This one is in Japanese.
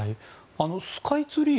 スカイツリー